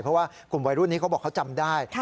เพราะว่ากลุ่มวัยรุ่นนี้เขาบอกเขาจำได้